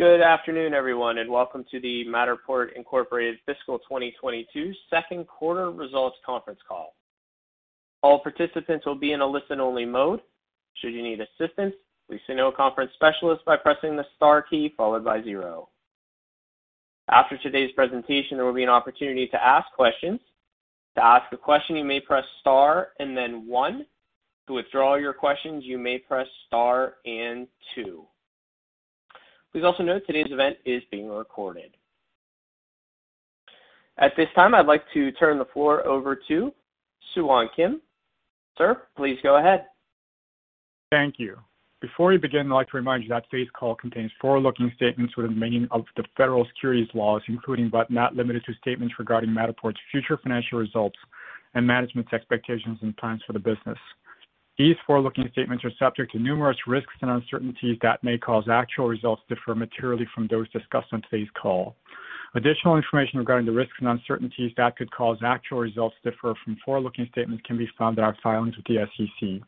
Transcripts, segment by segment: Good afternoon, everyone, and welcome to the Matterport, Inc. Fiscal 2022 Second Quarter Results Conference Call. All participants will be in a listen-only mode. Should you need assistance, please signal a conference specialist by pressing the star key followed by 0. After today's presentation, there will be an opportunity to ask questions. To ask a question, you may press star and then one. To withdraw your questions, you may press star and two. Please also note today's event is being recorded. At this time, I'd like to turn the floor over to Soohwan Kim. Sir, please go ahead. Thank you. Before we begin, I'd like to remind you that today's call contains forward-looking statements within the meaning of the federal securities laws, including, but not limited to, statements regarding Matterport's future financial results and management's expectations and plans for the business. These forward-looking statements are subject to numerous risks and uncertainties that may cause actual results to differ materially from those discussed on today's call. Additional information regarding the risks and uncertainties that could cause actual results to differ from forward-looking statements can be found in our filings with the SEC.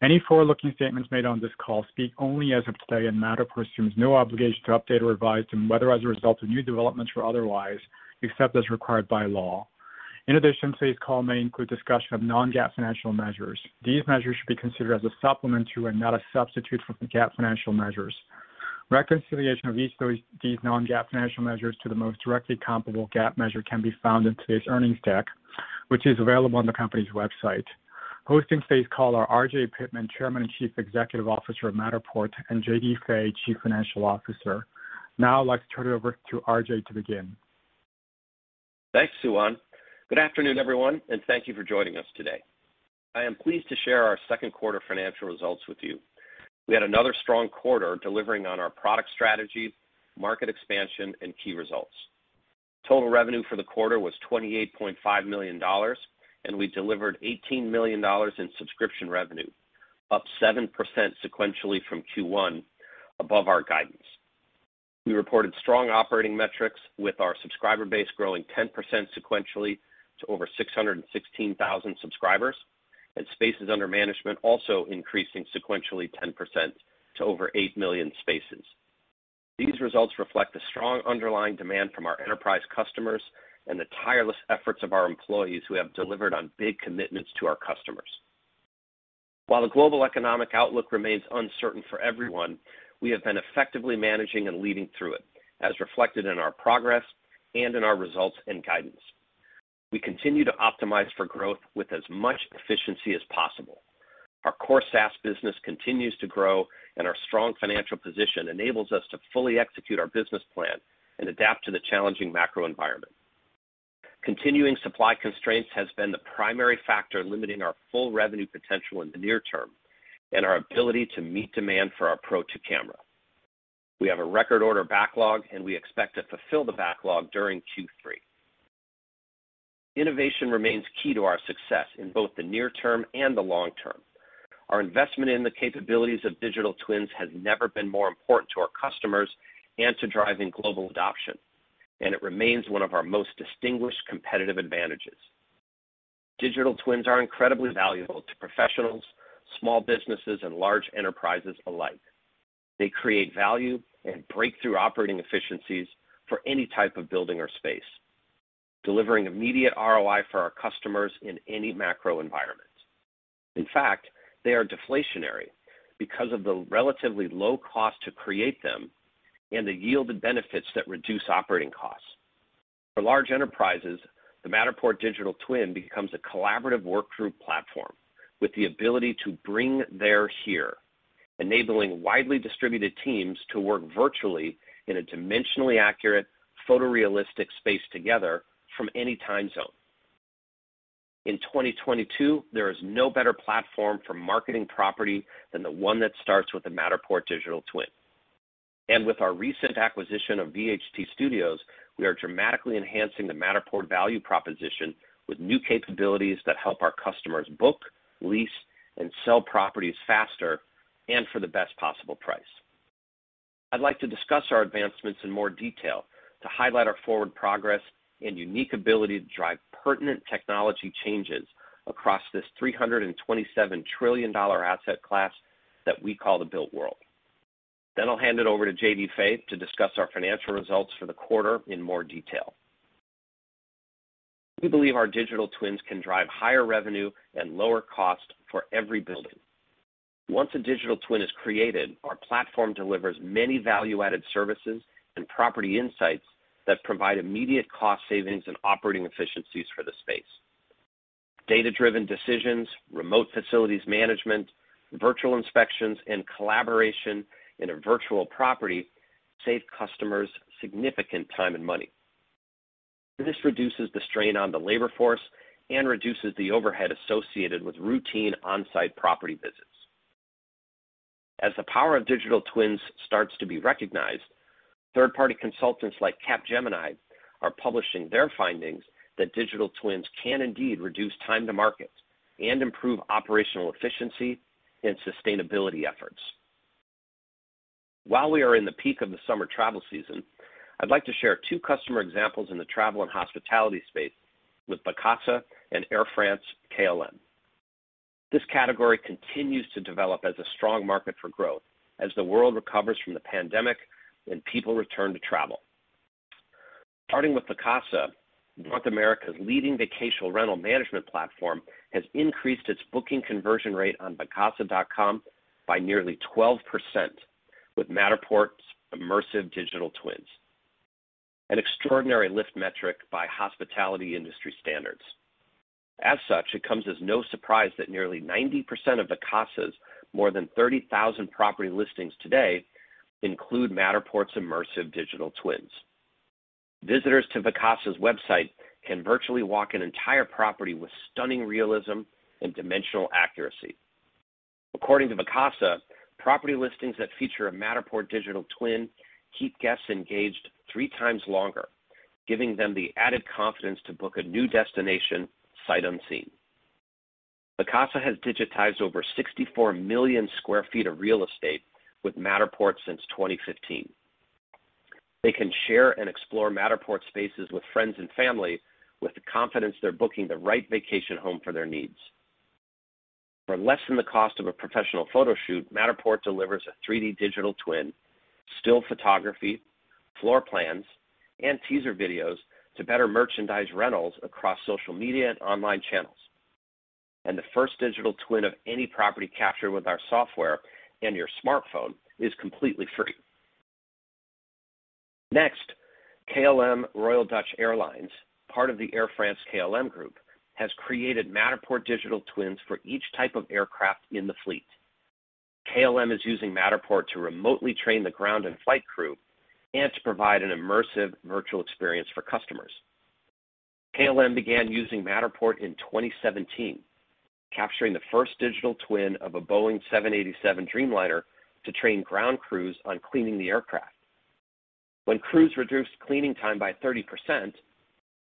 Any forward-looking statements made on this call speak only as of today, and Matterport assumes no obligation to update or revise them, whether as a result of new developments or otherwise, except as required by law. In addition, today's call may include discussion of non-GAAP financial measures. These measures should be considered as a supplement to and not a substitute for the GAAP financial measures. Reconciliation of each of these non-GAAP financial measures to the most directly comparable GAAP measure can be found in today's earnings deck, which is available on the company's website. Hosting today's call are RJ Pittman, Chairman and Chief Executive Officer of Matterport, and JD Fay, Chief Financial Officer. Now I'd like to turn it over to RJ to begin. Thanks, Soohwan Kim. Good afternoon, everyone, and thank you for joining us today. I am pleased to share our second quarter financial results with you. We had another strong quarter delivering on our product strategy, market expansion, and key results. Total revenue for the quarter was $28.5 million, and we delivered $18 million in subscription revenue, up 7% sequentially from Q1 above our guidance. We reported strong operating metrics with our subscriber base growing 10% sequentially to over 616,000 subscribers, and spaces under management also increasing sequentially 10% to over 8 million spaces. These results reflect the strong underlying demand from our enterprise customers and the tireless efforts of our employees who have delivered on big commitments to our customers. While the global economic outlook remains uncertain for everyone, we have been effectively managing and leading through it, as reflected in our progress and in our results and guidance. We continue to optimize for growth with as much efficiency as possible. Our core SaaS business continues to grow, and our strong financial position enables us to fully execute our business plan and adapt to the challenging macro environment. Continuing supply constraints has been the primary factor limiting our full revenue potential in the near term and our ability to meet demand for Pro2 Camera. we have a record order backlog, and we expect to fulfill the backlog during Q3. Innovation remains key to our success in both the near term and the long term. Our investment in the capabilities of digital twins has never been more important to our customers and to driving global adoption, and it remains one of our most distinguished competitive advantages. Digital twins are incredibly valuable to professionals, small businesses, and large enterprises alike. They create value and breakthrough operating efficiencies for any type of building or space, delivering immediate ROI for our customers in any macro environment. In fact, they are deflationary because of the relatively low cost to create them and the yielded benefits that reduce operating costs. For large enterprises, the Matterport Digital Twin becomes a collaborative work group platform with the ability to bring them here, enabling widely distributed teams to work virtually in a dimensionally accurate, photorealistic space together from any time zone. In 2022, there is no better platform for marketing property than the one that starts with a Matterport Digital Twin. With our recent acquisition of VHT Studios, we are dramatically enhancing the Matterport value proposition with new capabilities that help our customers book, lease, and sell properties faster and for the best possible price. I'd like to discuss our advancements in more detail to highlight our forward progress and unique ability to drive pertinent technology changes across this $327 trillion asset class that we call the built world. I'll hand it over to JD Fay to discuss our financial results for the quarter in more detail. We believe our digital twins can drive higher revenue and lower cost for every building. Once a digital twin is created, our platform delivers many value-added services and property insights that provide immediate cost savings and operating efficiencies for the space. Data-driven decisions, remote facilities management, virtual inspections, and collaboration in a virtual property save customers significant time and money. This reduces the strain on the labor force and reduces the overhead associated with routine on-site property visits. As the power of digital twins starts to be recognized, third-party consultants like Capgemini are publishing their findings that digital twins can indeed reduce time to market and improve operational efficiency and sustainability efforts. While we are in the peak of the summer travel season, I'd like to share two customer examples in the travel and hospitality space with Vacasa and Air France-KLM. This category continues to develop as a strong market for growth as the world recovers from the pandemic and people return to travel. Starting with Vacasa, North America's leading vacation rental management platform has increased its booking conversion rate on vacasa.com by nearly 12% with Matterport's immersive digital twins. An extraordinary lift metric by hospitality industry standards. As such, it comes as no surprise that nearly 90% of Vacasa's more than 30,000 property listings today include Matterport's immersive digital twins. Visitors to Vacasa's website can virtually walk an entire property with stunning realism and dimensional accuracy. According to Vacasa, property listings that feature a Matterport Digital Twin keep guests engaged three times longer, giving them the added confidence to book a new destination sight unseen. Vacasa has digitized over 64 million sq ft of real estate with Matterport since 2015. They can share and explore Matterport spaces with friends and family with the confidence they're booking the right vacation home for their needs. For less than the cost of a professional photo shoot, Matterport delivers a 3D Digital Twin, still photography, floor plans, and teaser videos to better merchandise rentals across social media and online channels. The first digital twin of any property captured with our software and your smartphone is completely free. Next, KLM Royal Dutch Airlines, part of the Air France-KLM group, has created Matterport Digital Twins for each type of aircraft in the fleet. KLM is using Matterport to remotely train the ground and flight crew and to provide an immersive virtual experience for customers. KLM began using Matterport in 2017, capturing the first digital twin of a Boeing 787 Dreamliner to train ground crews on cleaning the aircraft. When crews reduced cleaning time by 30%,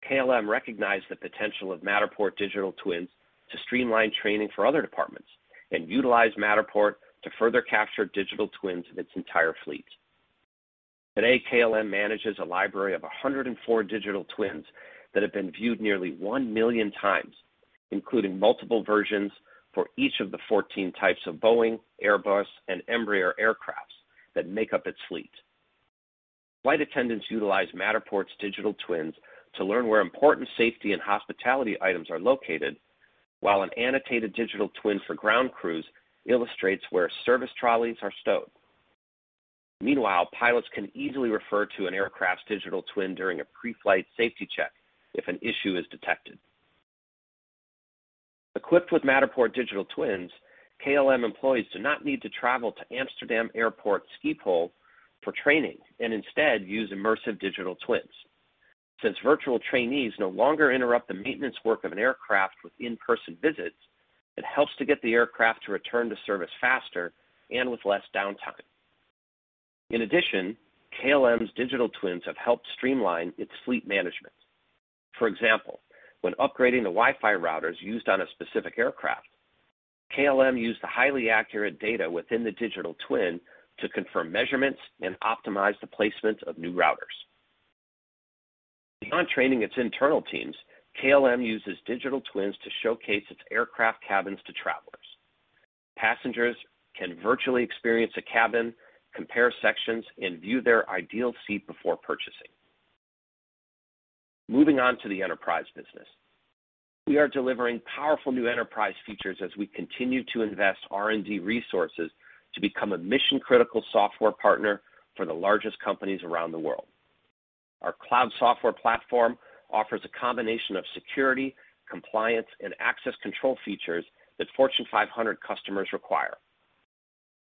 KLM recognized the potential of Matterport Digital Twins to streamline training for other departments and utilized Matterport to further capture digital twins of its entire fleet. Today, KLM manages a library of 104 digital twins that have been viewed nearly 1 million times, including multiple versions for each of the 14 types of Boeing, Airbus, and Embraer aircraft that make up its fleet. Flight attendants utilize Matterport's digital twins to learn where important safety and hospitality items are located, while an annotated digital twin for ground crews illustrates where service trolleys are stowed. Meanwhile, pilots can easily refer to an aircraft's digital twin during a pre-flight safety check if an issue is detected. Equipped with Matterport Digital Twins, KLM employees do not need to travel to Amsterdam Airport Schiphol for training and instead use immersive digital twins. Since virtual trainees no longer interrupt the maintenance work of an aircraft with in-person visits, it helps to get the aircraft to return to service faster and with less downtime. In addition, KLM's digital twins have helped streamline its fleet management. For example, when upgrading the Wi-Fi routers used on a specific aircraft, KLM used the highly accurate data within the digital twin to confirm measurements and optimize the placement of new routers. Beyond training its internal teams, KLM uses digital twins to showcase its aircraft cabins to travelers. Passengers can virtually experience a cabin, compare sections, and view their ideal seat before purchasing. Moving on to the enterprise business. We are delivering powerful new enterprise features as we continue to invest R&D resources to become a mission-critical software partner for the largest companies around the world. Our cloud software platform offers a combination of security, compliance, and access control features that Fortune 500 customers require.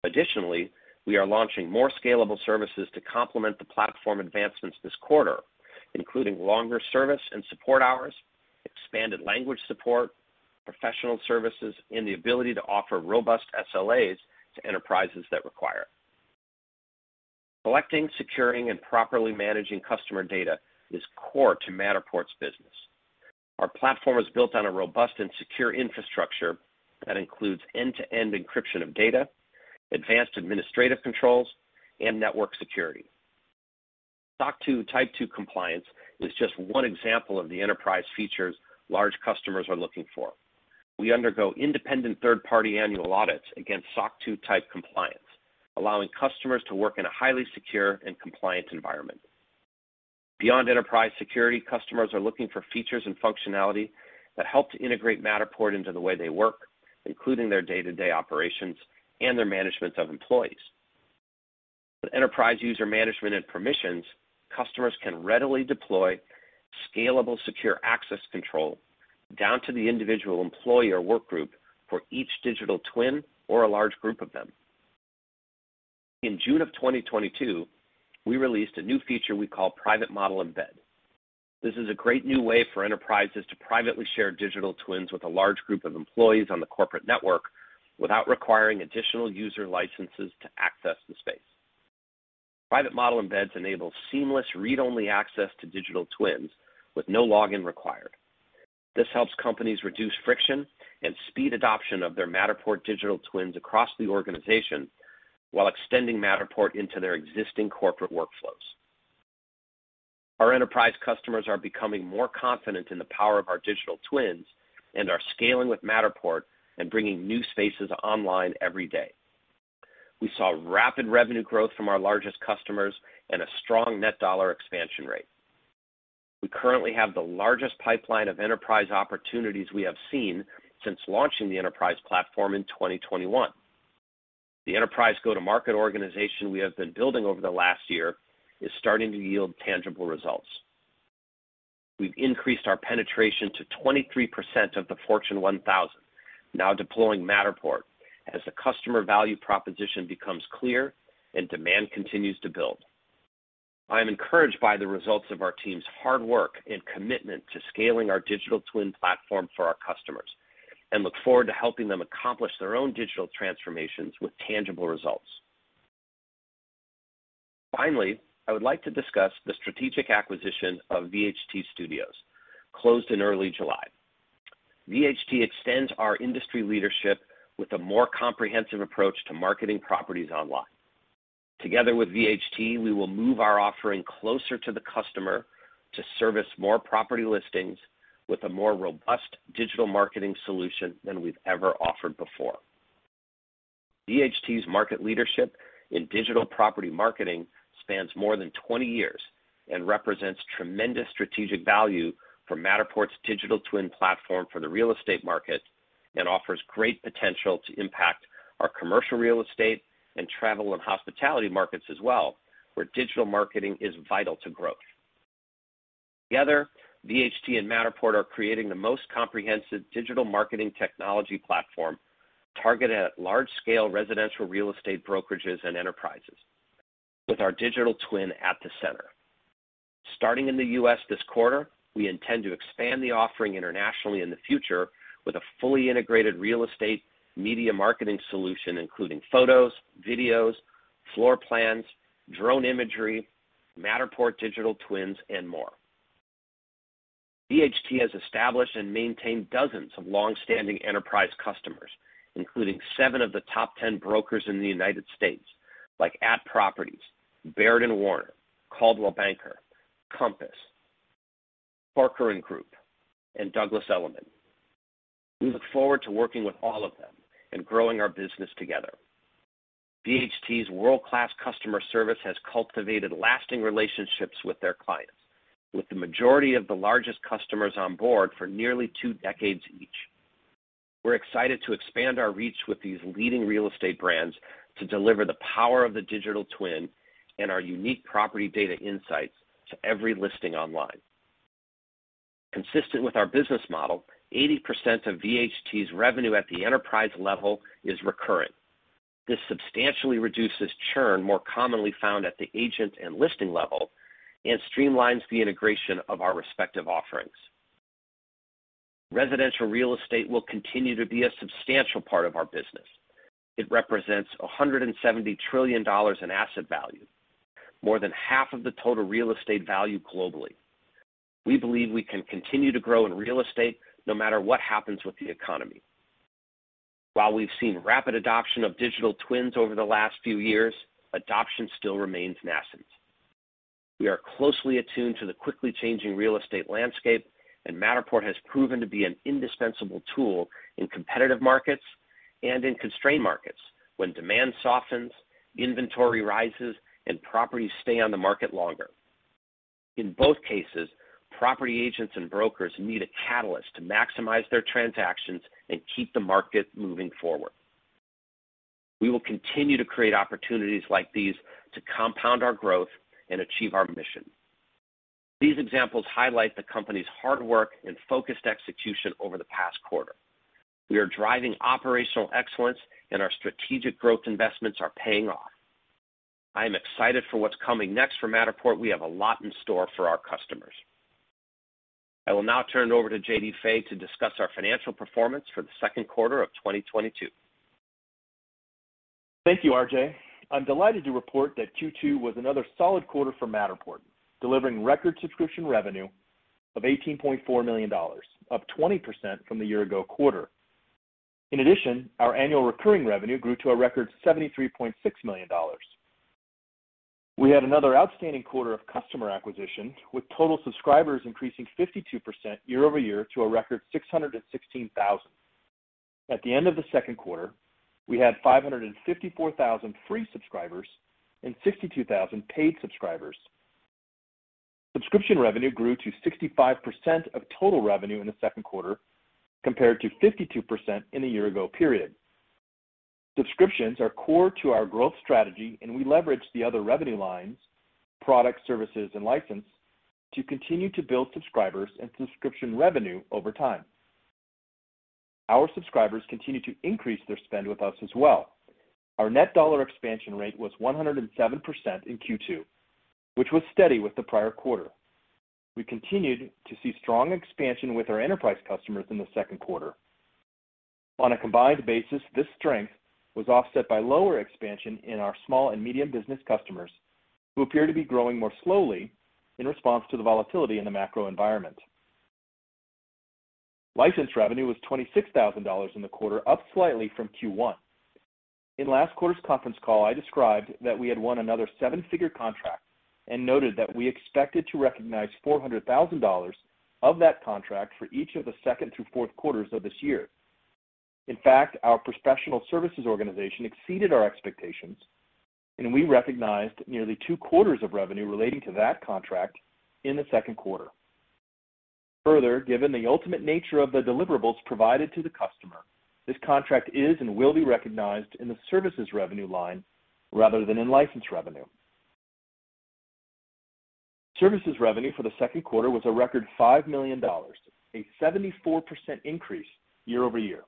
Additionally, we are launching more scalable services to complement the platform advancements this quarter, including longer service and support hours, expanded language support, professional services, and the ability to offer robust SLAs to enterprises that require it. Collecting, securing, and properly managing customer data is core to Matterport's business. Our platform is built on a robust and secure infrastructure that includes end-to-end encryption of data, advanced administrative controls, and network security. SOC 2 Type II compliance is just one example of the enterprise features large customers are looking for. We undergo independent third-party annual audits against SOC 2 Type II compliance, allowing customers to work in a highly secure and compliant environment. Beyond enterprise security, customers are looking for features and functionality that help to integrate Matterport into the way they work, including their day-to-day operations and their management of employees. With enterprise user management and permissions, customers can readily deploy scalable, secure access control down to the individual employee or work group for each digital twin or a large group of them. In June of 2022, we released a new feature we call Private Model Embed. This is a great new way for enterprises to privately share digital twins with a large group of employees on the corporate network without requiring additional user licenses to access the space. Private Model Embeds enable seamless read-only access to digital twins with no login required. This helps companies reduce friction and speed adoption of their Matterport Digital Twins across the organization while extending Matterport into their existing corporate workflows. Our enterprise customers are becoming more confident in the power of our digital twins and are scaling with Matterport and bringing new spaces online every day. We saw rapid revenue growth from our largest customers and a strong net dollar expansion rate. We currently have the largest pipeline of enterprise opportunities we have seen since launching the enterprise platform in 2021. The enterprise go-to-market organization we have been building over the last year is starting to yield tangible results. We've increased our penetration to 23% of the Fortune 1000 now deploying Matterport as the customer value proposition becomes clear and demand continues to build. I am encouraged by the results of our team's hard work and commitment to scaling our digital twin platform for our customers and look forward to helping them accomplish their own digital transformations with tangible results. Finally, I would like to discuss the strategic acquisition of VHT Studios, closed in early July. VHT extends our industry leadership with a more comprehensive approach to marketing properties online. Together with VHT, we will move our offering closer to the customer to service more property listings with a more robust digital marketing solution than we've ever offered before. VHT's market leadership in digital property marketing spans more than 20 years and represents tremendous strategic value for Matterport's digital twin platform for the real estate market and offers great potential to impact our commercial real estate and travel and hospitality markets as well, where digital marketing is vital to growth. Together, VHT and Matterport are creating the most comprehensive digital marketing technology platform targeted at large-scale residential real estate brokerages and enterprises with our digital twin at the center. Starting in the US this quarter, we intend to expand the offering internationally in the future with a fully integrated real estate media marketing solution, including photos, videos, floor plans, drone imagery, Matterport Digital Twins, and more. VHT has established and maintained dozens of long-standing enterprise customers, including seven of the top 10 brokers in the United States, like @properties, Baird & Warner, Coldwell Banker, Compass, Parker Group, and Douglas Elliman. We look forward to working with all of them and growing our business together. VHT's world-class customer service has cultivated lasting relationships with their clients, with the majority of the largest customers on board for nearly two decades each. We're excited to expand our reach with these leading real estate brands to deliver the power of the digital twin and our unique property data insights to every listing online. Consistent with our business model, 80% of VHT's revenue at the enterprise level is recurrent. This substantially reduces churn more commonly found at the agent and listing level and streamlines the integration of our respective offerings. Residential real estate will continue to be a substantial part of our business. It represents $170 trillion in asset value, more than half of the total real estate value globally. We believe we can continue to grow in real estate no matter what happens with the economy. While we've seen rapid adoption of digital twins over the last few years, adoption still remains nascent. We are closely attuned to the quickly changing real estate landscape, and Matterport has proven to be an indispensable tool in competitive markets and in constrained markets when demand softens, inventory rises, and properties stay on the market longer. In both cases, property agents and brokers need a catalyst to maximize their transactions and keep the market moving forward. We will continue to create opportunities like these to compound our growth and achieve our mission. These examples highlight the company's hard work and focused execution over the past quarter. We are driving operational excellence and our strategic growth investments are paying off. I am excited for what's coming next for Matterport. We have a lot in store for our customers. I will now turn it over to JD Fay to discuss our financial performance for the second quarter of 2022. Thank you, RJ. I'm delighted to report that Q2 was another solid quarter for Matterport, delivering record subscription revenue of $18.4 million, up 20% from the year-ago quarter. In addition, our annual recurring revenue grew to a record $73.6 million. We had another outstanding quarter of customer acquisition, with total subscribers increasing 52% year-over-year to a record 616,000. At the end of the second quarter, we had 554,000 free subscribers and 62,000 paid subscribers. Subscription revenue grew to 65% of total revenue in the second quarter, compared to 52% in the year-ago period. Subscriptions are core to our growth strategy, and we leverage the other revenue lines, product, services, and license, to continue to build subscribers and subscription revenue over time. Our subscribers continue to increase their spend with us as well. Our Net Dollar Expansion Rate was 107% in Q2, which was steady with the prior quarter. We continued to see strong expansion with our enterprise customers in the second quarter. On a combined basis, this strength was offset by lower expansion in our small and medium business customers, who appear to be growing more slowly in response to the volatility in the macro environment. License revenue was $26,000 in the quarter, up slightly from Q1. In last quarter's conference call, I described that we had won another seven-figure contract and noted that we expected to recognize $400,000 of that contract for each of the second through fourth quarters of this year. In fact, our professional services organization exceeded our expectations, and we recognized nearly two quarters of revenue relating to that contract in the second quarter. Further, given the ultimate nature of the deliverables provided to the customer, this contract is and will be recognized in the services revenue line rather than in license revenue. Services revenue for the second quarter was a record $5 million, a 74% increase year-over-year.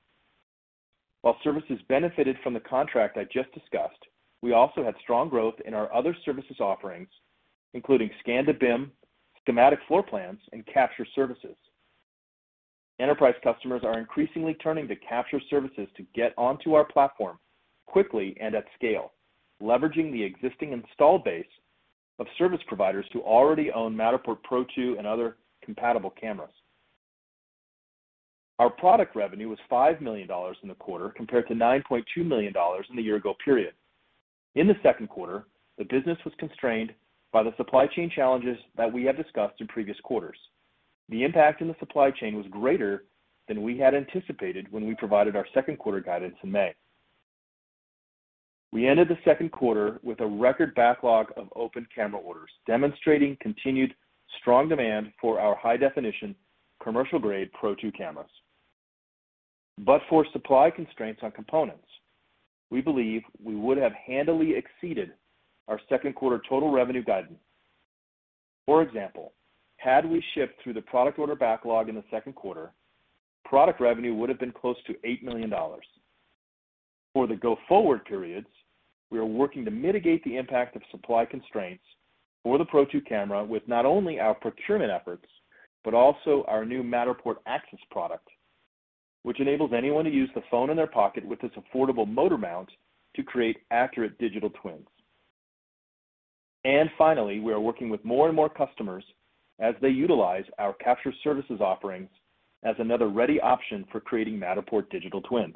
While services benefited from the contract I just discussed, we also had strong growth in our other services offerings, including Scan-to-BIM, schematic floor plans, and capture services. Enterprise customers are increasingly turning to capture services to get onto our platform quickly and at scale, leveraging the existing install base of service providers who already own Matterport Pro2 and other compatible cameras. Our product revenue was $5 million in the quarter compared to $9.2 million in the year-ago period. In the second quarter, the business was constrained by the supply chain challenges that we have discussed in previous quarters. The impact in the supply chain was greater than we had anticipated when we provided our second quarter guidance in May. We ended the second quarter with a record backlog of open camera orders, demonstrating continued strong demand for our high-definition Pro2 Cameras. for supply constraints on components, we believe we would have handily exceeded our second quarter total revenue guidance. For example, had we shipped through the product order backlog in the second quarter, product revenue would have been close to $8 million. For the go-forward periods, we are working to mitigate the impact of supply constraints for Pro2 Camera with not only our procurement efforts, but also our new Matterport Axis product, which enables anyone to use the phone in their pocket with this affordable motor mount to create accurate digital twins. Finally, we are working with more and more customers as they utilize our capture services offerings as another ready option for creating Matterport Digital Twins.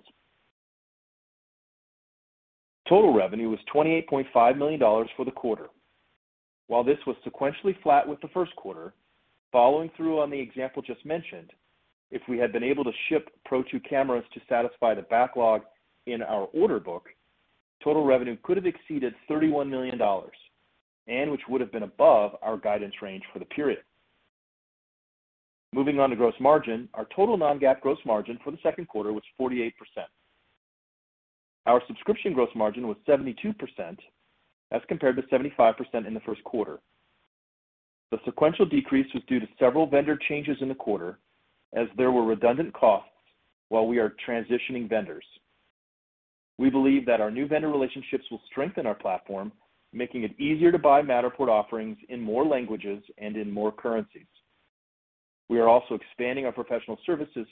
Total revenue was $28.5 million for the quarter. While this was sequentially flat with the first quarter, following through on the example just mentioned, if we had been able to Pro2 Cameras to satisfy the backlog in our order book, total revenue could have exceeded $31 million, and which would have been above our guidance range for the period. Moving on to gross margin, our total non-GAAP gross margin for the second quarter was 48%. Our subscription gross margin was 72% as compared to 75% in the first quarter. The sequential decrease was due to several vendor changes in the quarter as there were redundant costs while we are transitioning vendors. We believe that our new vendor relationships will strengthen our platform, making it easier to buy Matterport offerings in more languages and in more currencies. We are also expanding our professional services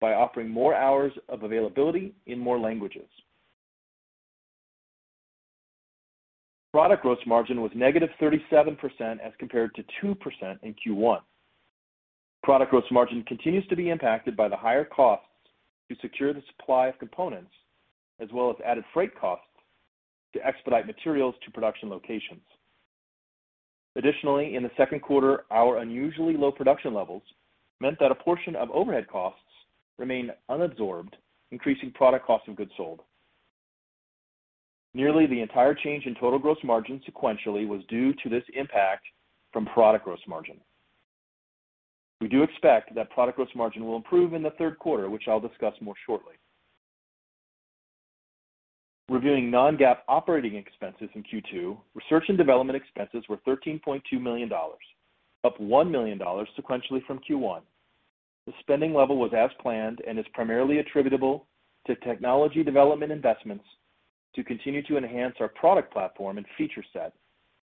by offering more hours of availability in more languages. Product gross margin was -37% as compared to 2% in Q1. Product gross margin continues to be impacted by the higher costs to secure the supply of components as well as added freight costs to expedite materials to production locations. Additionally, in the second quarter, our unusually low production levels meant that a portion of overhead costs remained unabsorbed, increasing product cost of goods sold. Nearly the entire change in total gross margin sequentially was due to this impact from product gross margin. We do expect that product gross margin will improve in the third quarter, which I'll discuss more shortly. Reviewing non-GAAP operating expenses in Q2, research and development expenses were $13.2 million, up $1 million sequentially from Q1. The spending level was as planned and is primarily attributable to technology development investments to continue to enhance our product platform and feature set,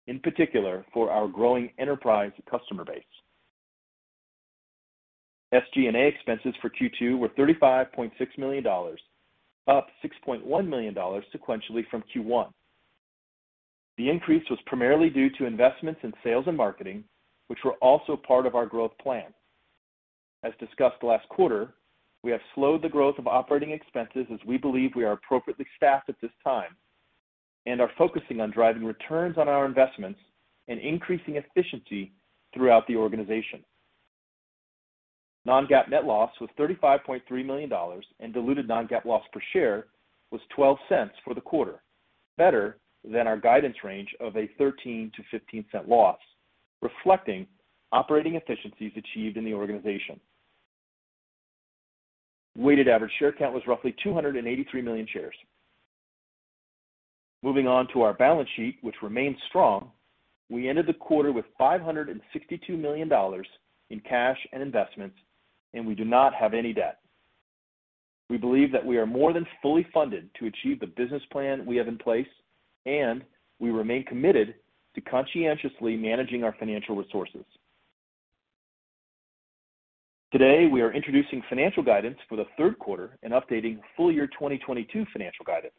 in particular for our growing enterprise customer base. SG&A expenses for Q2 were $35.6 million, up $6.1 million sequentially from Q1. The increase was primarily due to investments in sales and marketing, which were also part of our growth plan. As discussed last quarter, we have slowed the growth of operating expenses as we believe we are appropriately staffed at this time and are focusing on driving returns on our investments and increasing efficiency throughout the organization. Non-GAAP net loss was $35.3 million, and diluted non-GAAP loss per share was $0.12 for the quarter, better than our guidance range of a $0.13-$0.15 loss, reflecting operating efficiencies achieved in the organization. Weighted average share count was roughly 283 million shares. Moving on to our balance sheet, which remains strong, we ended the quarter with $562 million in cash and investments, and we do not have any debt. We believe that we are more than fully funded to achieve the business plan we have in place, and we remain committed to conscientiously managing our financial resources. Today, we are introducing financial guidance for the third quarter and updating full-year 2022 financial guidance.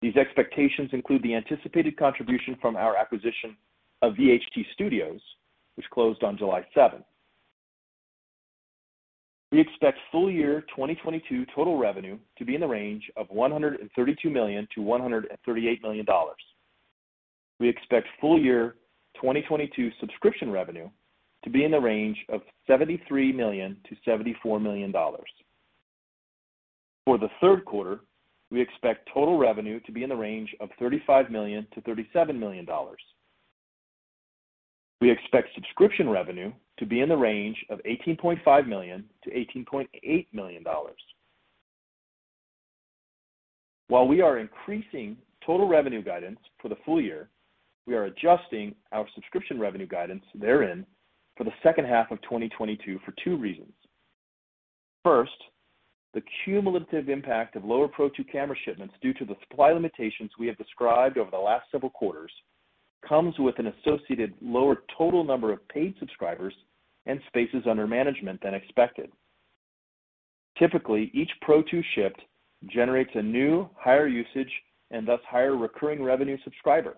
These expectations include the anticipated contribution from our acquisition of VHT Studios, which closed on July seventh. We expect full-year 2022 total revenue to be in the range of $132 million-$138 million. We expect full-year 2022 subscription revenue to be in the range of $73 million-$74 million. For the third quarter, we expect total revenue to be in the range of $35 million-$37 million. We expect subscription revenue to be in the range of $18.5 million-$18.8 million. While we are increasing total revenue guidance for the full year, we are adjusting our subscription revenue guidance therein for the second half of 2022 for two reasons. First, the cumulative impact of Pro2 Camera shipments due to the supply limitations we have described over the last several quarters comes with an associated lower total number of paid subscribers and spaces under management than expected. Typically, each Pro2 shipped generates a new higher usage and thus higher recurring revenue subscriber,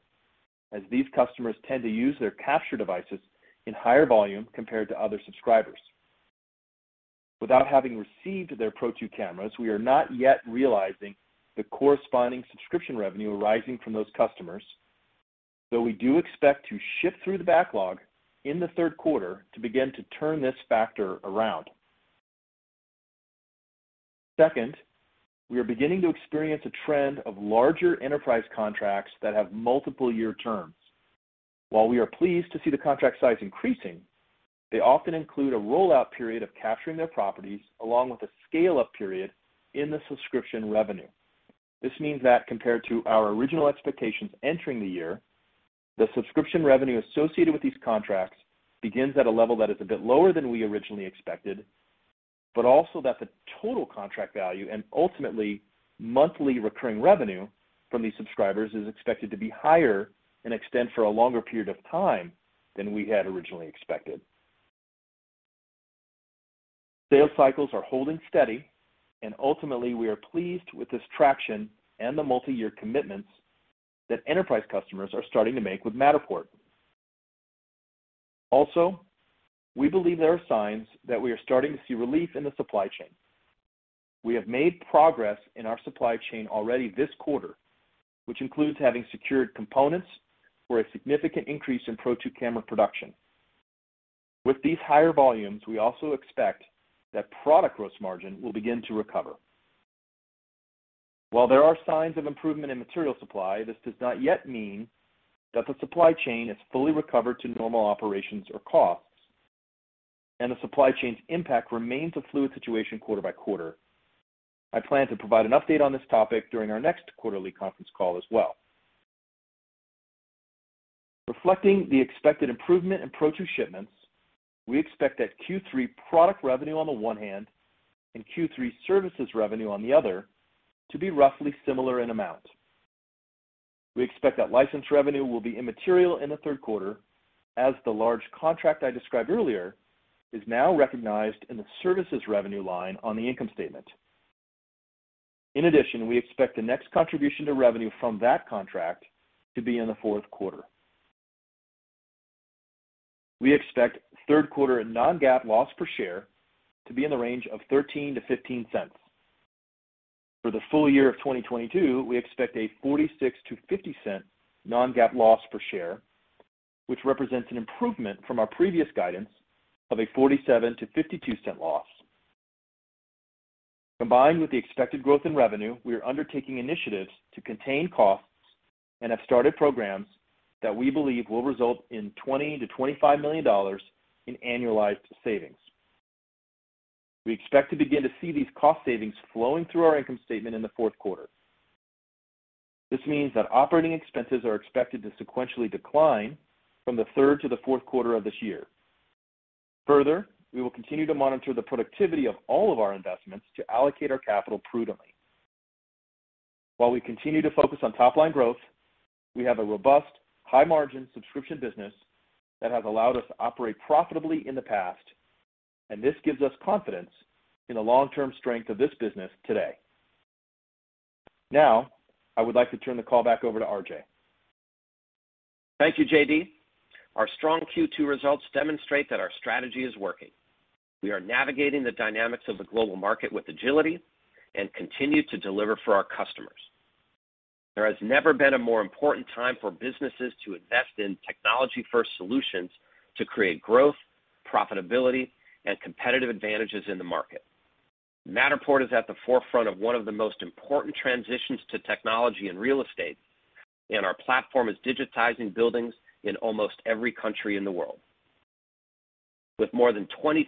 as these customers tend to use their capture devices in higher volume compared to other subscribers. Without having received Pro2 Cameras, we are not yet realizing the corresponding subscription revenue arising from those customers, though we do expect to ship through the backlog in the third quarter to begin to turn this factor around. Second, we are beginning to experience a trend of larger enterprise contracts that have multiple year terms. While we are pleased to see the contract size increasing, they often include a rollout period of capturing their properties along with a scale-up period in the subscription revenue. This means that compared to our original expectations entering the year, the subscription revenue associated with these contracts begins at a level that is a bit lower than we originally expected, but also that the total contract value and ultimately monthly recurring revenue from these subscribers is expected to be higher and extend for a longer period of time than we had originally expected. Sales cycles are holding steady, and ultimately, we are pleased with this traction and the multi-year commitments that enterprise customers are starting to make with Matterport. We believe there are signs that we are starting to see relief in the supply chain. We have made progress in our supply chain already this quarter, which includes having secured components for a significant increase Pro2 Camera production. With these higher volumes, we also expect that product gross margin will begin to recover. While there are signs of improvement in material supply, this does not yet mean that the supply chain is fully recovered to normal operations or costs, and the supply chain's impact remains a fluid situation quarter by quarter. I plan to provide an update on this topic during our next quarterly conference call as well. Reflecting the expected improvement in Pro2 shipments, we expect that Q3 product revenue on the one hand and Q3 services revenue on the other to be roughly similar in amount. We expect that license revenue will be immaterial in the third quarter as the large contract I described earlier is now recognized in the services revenue line on the income statement. In addition, we expect the next contribution to revenue from that contract to be in the fourth quarter. We expect third quarter non-GAAP loss per share to be in the range of $0.13-$0.15. For the full year of 2022, we expect a $0.46-$0.50 non-GAAP loss per share, which represents an improvement from our previous guidance of a $0.47-$0.52 loss. Combined with the expected growth in revenue, we are undertaking initiatives to contain costs and have started programs that we believe will result in $20-$25 million in annualized savings. We expect to begin to see these cost savings flowing through our income statement in the fourth quarter. This means that operating expenses are expected to sequentially decline from the third to the fourth quarter of this year. Further, we will continue to monitor the productivity of all of our investments to allocate our capital prudently. While we continue to focus on top-line growth, we have a robust, high-margin subscription business that has allowed us to operate profitably in the past, and this gives us confidence in the long-term strength of this business today. Now, I would like to turn the call back over to RJ. Thank you, JD. Our strong Q2 results demonstrate that our strategy is working. We are navigating the dynamics of the global market with agility and continue to deliver for our customers. There has never been a more important time for businesses to invest in technology-first solutions to create growth, profitability, and competitive advantages in the market. Matterport is at the forefront of one of the most important transitions to technology and real estate, and our platform is digitizing buildings in almost every country in the world. With more than 23%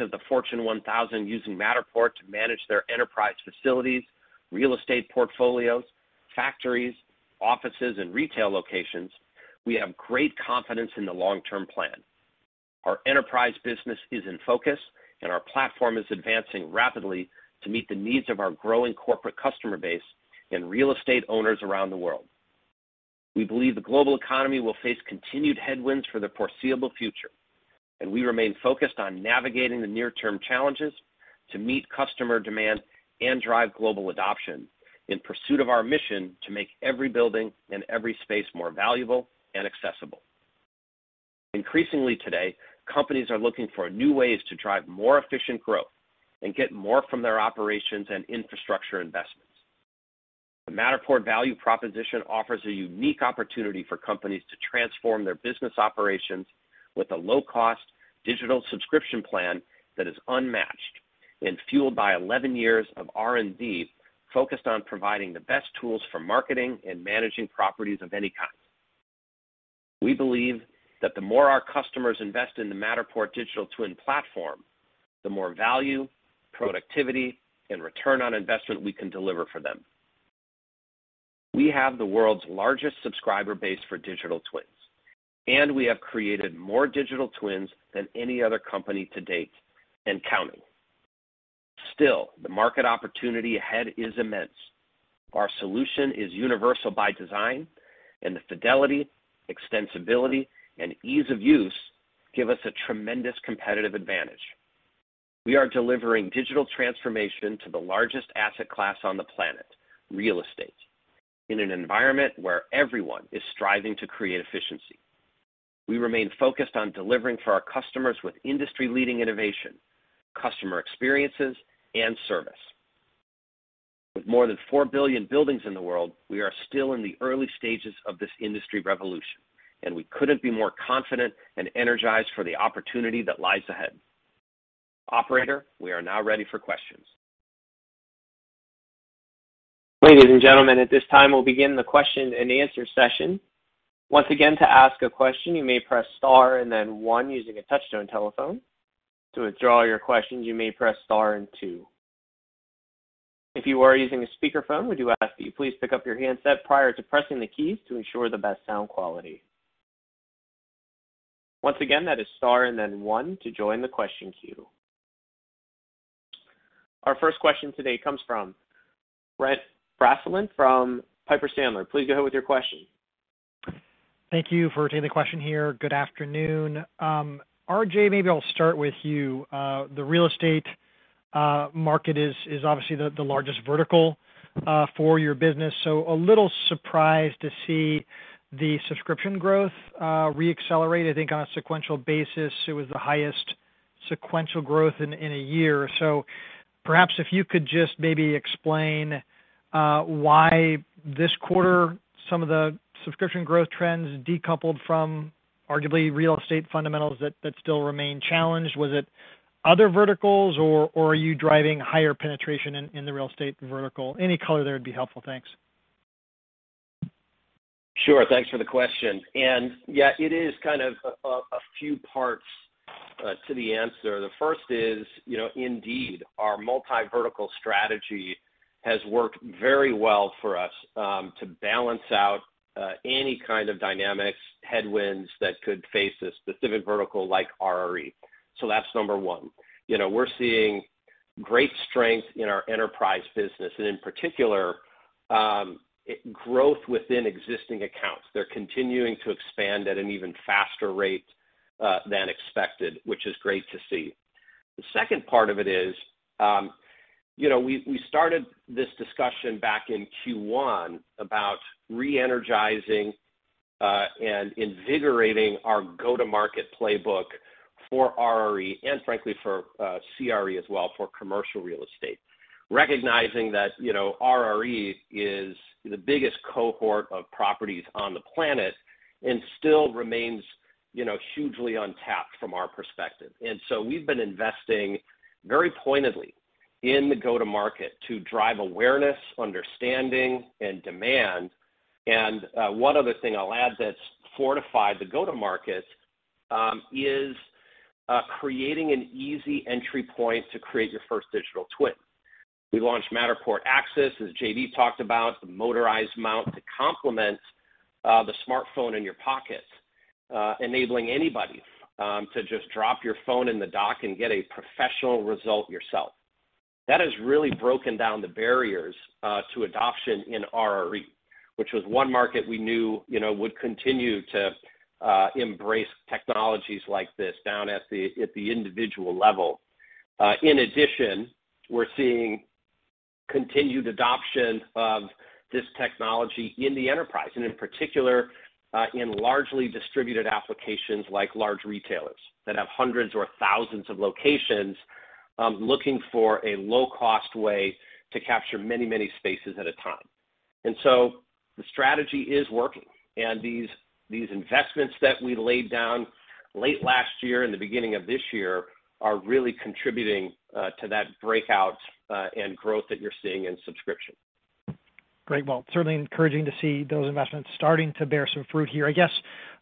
of the Fortune 1000 using Matterport to manage their enterprise facilities, real estate portfolios, factories, offices, and retail locations, we have great confidence in the long-term plan. Our enterprise business is in focus, and our platform is advancing rapidly to meet the needs of our growing corporate customer base and real estate owners around the world. We believe the global economy will face continued headwinds for the foreseeable future, and we remain focused on navigating the near-term challenges to meet customer demand and drive global adoption in pursuit of our mission to make every building and every space more valuable and accessible. Increasingly today, companies are looking for new ways to drive more efficient growth and get more from their operations and infrastructure investments. The Matterport value proposition offers a unique opportunity for companies to transform their business operations with a low-cost digital subscription plan that is unmatched and fueled by 11 years of R&D focused on providing the best tools for marketing and managing properties of any kind. We believe that the more our customers invest in the Matterport Digital Twin Platform, the more value, productivity, and return on investment we can deliver for them. We have the world's largest subscriber base for digital twins, and we have created more digital twins than any other company to date and counting. Still, the market opportunity ahead is immense. Our solution is universal by design, and the fidelity, extensibility, and ease of use give us a tremendous competitive advantage. We are delivering digital transformation to the largest asset class on the planet, real estate, in an environment where everyone is striving to create efficiency. We remain focused on delivering for our customers with industry-leading innovation, customer experiences, and service. With more than 4 billion buildings in the world, we are still in the early stages of this industry revolution, and we couldn't be more confident and energized for the opportunity that lies ahead. Operator, we are now ready for questions. Ladies and gentlemen, at this time, we'll begin the question-and-answer session. Once again, to ask a question, you may press star and then one using a touch-tone telephone. To withdraw your questions, you may press star and two. If you are using a speakerphone, we do ask that you please pick up your handset prior to pressing the keys to ensure the best sound quality. Once again, that is star and then one to join the question queue. Our first question today comes from Brent Thill from Piper Sandler. Please go ahead with your question. Thank you for taking the question here. Good afternoon. RJ, maybe I'll start with you. The real estate market is obviously the largest vertical for your business. A little surprised to see the subscription growth re-accelerate. I think on a sequential basis, it was the highest sequential growth in a year. Perhaps if you could just maybe explain why this quarter some of the subscription growth trends decoupled from arguably real estate fundamentals that still remain challenged. Was it other verticals, or are you driving higher penetration in the real estate vertical? Any color there would be helpful. Thanks. Sure. Thanks for the question. Yeah, it is kind of a few parts to the answer. The first is, you know, indeed, our multi-vertical strategy has worked very well for us, to balance out any kind of dynamics, headwinds that could face a specific vertical like RRE. That's number one. You know, we're seeing great strength in our enterprise business and in particular, growth within existing accounts. They're continuing to expand at an even faster rate than expected, which is great to see. The second part of it is, you know, we started this discussion back in Q1 about re-energizing and invigorating our go-to-market playbook for RRE and frankly, for CRE as well, for commercial real estate. Recognizing that, you know, RRE is the biggest cohort of properties on the planet and still remains, you know, hugely untapped from our perspective. We've been investing very pointedly in the go-to-market to drive awareness, understanding, and demand. One other thing I'll add that's fortified the go-to-market is creating an easy entry point to create your first digital twin. We launched Matterport Axis, as JD talked about, the motorized mount to complement the smartphone in your pocket, enabling anybody to just drop your phone in the dock and get a professional result yourself. That has really broken down the barriers to adoption in RRE, which was one market we knew, you know, would continue to embrace technologies like this down at the individual level. In addition, we're seeing continued adoption of this technology in the enterprise, and in particular, in largely distributed applications like large retailers that have hundreds or thousands of locations, looking for a low-cost way to capture many, many spaces at a time. The strategy is working. These investments that we laid down late last year and the beginning of this year are really contributing to that breakout and growth that you're seeing in subscription. Great. Well, certainly encouraging to see those investments starting to bear some fruit here. I guess,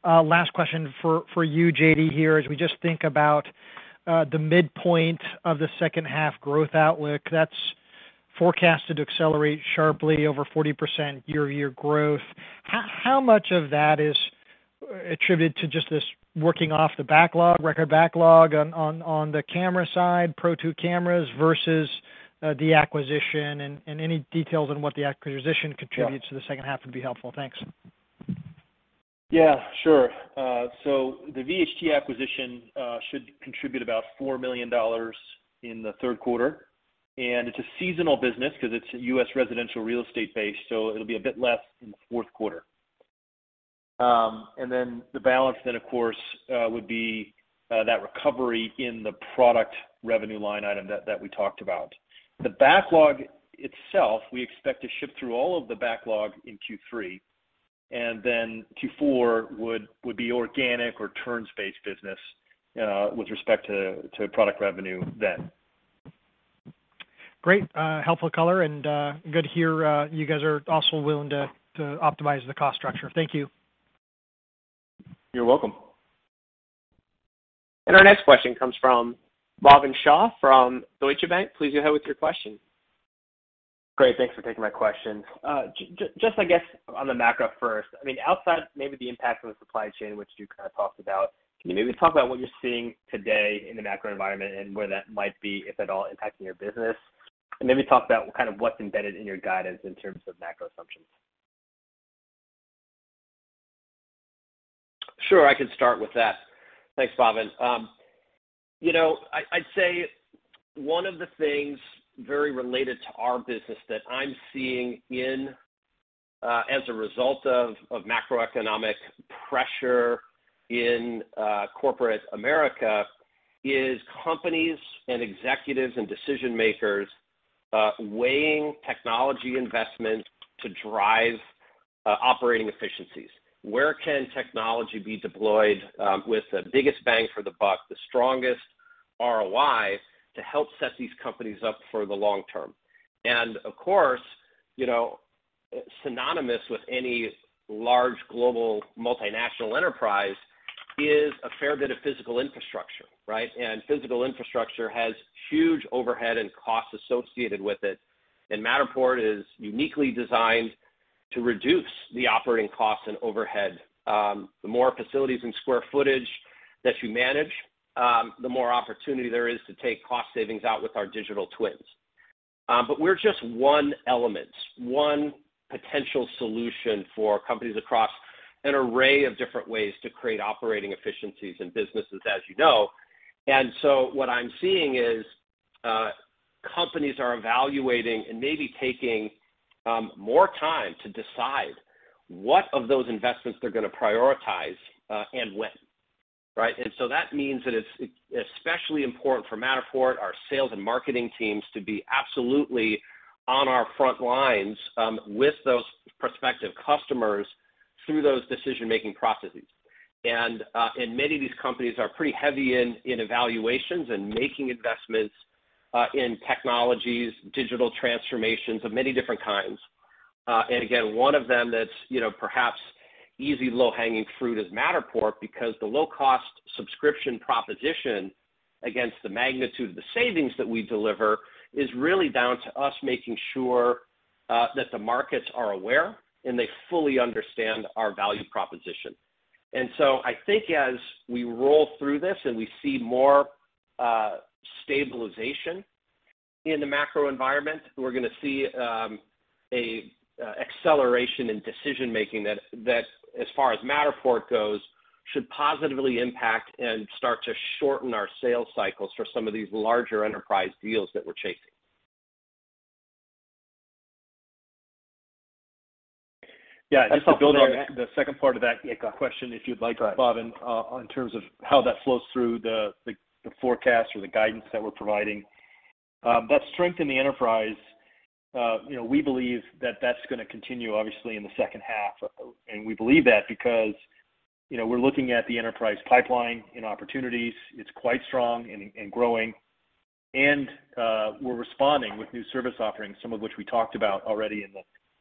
last question for you, JD, here, as we just think about the midpoint of the second half growth outlook that's forecasted to accelerate sharply over 40% year-over-year growth. How much of that is attributed to just this working off the backlog, record backlog on the camera Pro2 Cameras vs the acquisition and any details on what the acquisition contributes to the second half would be helpful. Thanks. Yeah, sure. The VHT acquisition should contribute about $4 million in the third quarter, and it's a seasonal business 'cause it's U.S. residential real estate-based, so it'll be a bit less in the fourth quarter. The balance then of course would be that recovery in the product revenue line item that we talked about. The backlog itself, we expect to ship through all of the backlog in Q3, and then Q4 would be organic or turns-based business with respect to product revenue then. Great. Helpful color and good to hear you guys are also willing to optimize the cost structure. Thank you. You're welcome. Our next question comes from Bhavin Shah from Deutsche Bank. Please go ahead with your question. Great. Thanks for taking my question. Just I guess on the macro first, I mean, outside maybe the impact of the supply chain, which you kind of talked about, can you maybe talk about what you're seeing today in the macro environment and where that might be, if at all, impacting your business? Maybe talk about kind of what's embedded in your guidance in terms of macro assumptions. Sure, I can start with that. Thanks, Bhavin. You know, I'd say one of the things very related to our business that I'm seeing in, as a result of macroeconomic pressure in corporate America is companies and executives and decision-makers weighing technology investments to drive operating efficiencies. Where can technology be deployed with the biggest bang for the buck, the strongest ROI to help set these companies up for the long term? Of course, you know, synonymous with any large global multinational enterprise is a fair bit of physical infrastructure, right? Physical infrastructure has huge overhead and costs associated with it, and Matterport is uniquely designed to reduce the operating costs and overhead. The more facilities and square footage that you manage, the more opportunity there is to take cost savings out with our digital twins. We're just one element, one potential solution for companies across an array of different ways to create operating efficiencies and businesses as you know. What I'm seeing is, companies are evaluating and maybe taking more time to decide what of those investments they're gonna prioritize, and when, right? That means that it's especially important for Matterport, our sales and marketing teams, to be absolutely on our front lines with those prospective customers through those decision-making processes. Many of these companies are pretty heavy in evaluations and making investments in technologies, digital transformations of many different kinds. Again, one of them that's, you know, perhaps easy, low-hanging fruit is Matterport because the low-cost subscription proposition against the magnitude of the savings that we deliver is really down to us making sure that the markets are aware and they fully understand our value proposition. I think as we roll through this and we see more stabilization in the macro environment, we're gonna see an acceleration in decision-making that as far as Matterport goes, should positively impact and start to shorten our sales cycles for some of these larger enterprise deals that we're chasing. That's helpful. Yeah, just to build on the second part of that question, if you'd like, Bhavin, in terms of how that flows through the forecast or the guidance that we're providing. That strength in the enterprise, you know, we believe that that's gonna continue obviously in the second half. We believe that because, you know, we're looking at the enterprise pipeline and opportunities. It's quite strong and growing. We're responding with new service offerings, some of which we talked about already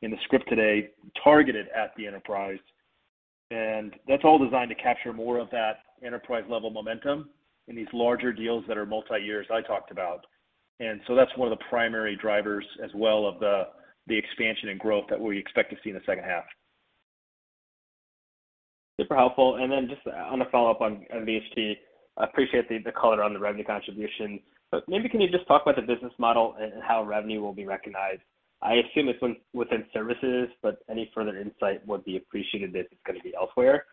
in the script today, targeted at the enterprise. That's all designed to capture more of that enterprise-level momentum in these larger deals that are multi-year I talked about. That's one of the primary drivers as well of the expansion and growth that we expect to see in the second half. Super helpful. Just on a follow-up on VHT, I appreciate the color on the revenue contribution, but maybe can you just talk about the business model and how revenue will be recognized? I assume it's within services, but any further insight would be appreciated if it's gonna be elsewhere.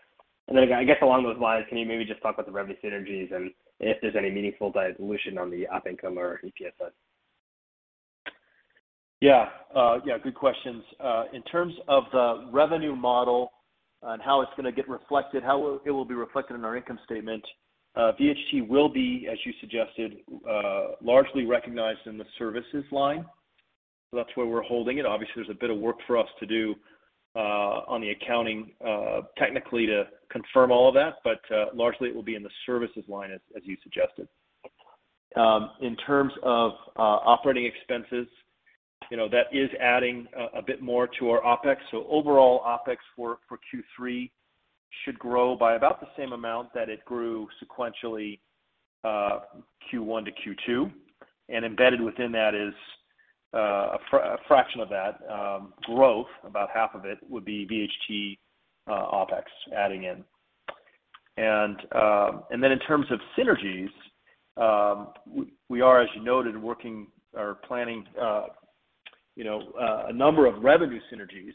I guess along those lines, can you maybe just talk about the revenue synergies and if there's any meaningful dilution on the op income or EPS? Yeah. Yeah, good questions. In terms of the revenue model and how it's gonna get reflected, how it will be reflected in our income statement, VHT will be, as you suggested, largely recognized in the services line. That's where we're holding it. Obviously, there's a bit of work for us to do on the accounting, technically to confirm all of that, but largely it will be in the services line as you suggested. In terms of operating expenses, you know, that is adding a bit more to our OpEx. Overall OpEx for Q3 should grow by about the same amount that it grew sequentially, Q1 to Q2. Embedded within that is A fraction of that growth, about half of it, would be VHT OpEx adding in. In terms of synergies, we are, as you noted, working or planning, you know, a number of revenue synergies,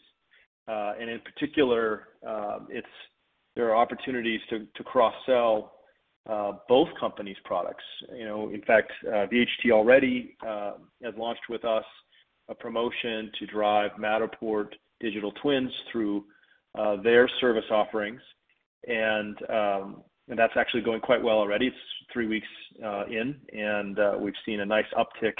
and in particular, there are opportunities to cross-sell both companies' products. You know, in fact, VHT already has launched with us a promotion to drive Matterport Digital Twins through their service offerings. That's actually going quite well already. It's three weeks in, and we've seen a nice uptick